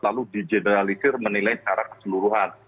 lalu di generalisir menilai secara keseluruhan